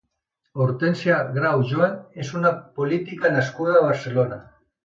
Hortènsia Grau Juan és una política nascuda a Barcelona.